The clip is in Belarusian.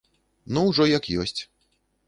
Ну, ужо як ёсць.